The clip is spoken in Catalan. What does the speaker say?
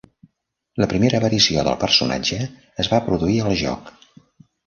La primera aparició del personatge es va produir al joc.